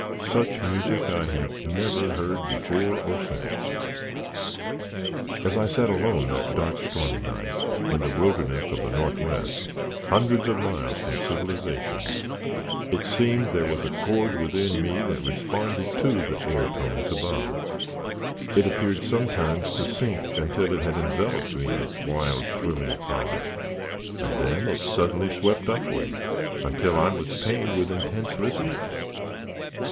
Such music I have never heard before or since. As I sat alone that dark, stormy night, in the wilderness of the northwest, hundreds of miles from civilization, it seemed there was a chord within me that responded to the air tones above. It appeared sometimes to sink until it had enveloped me in its wild thrilling power, and then it suddenly swept upward, until I was pained with intense listening.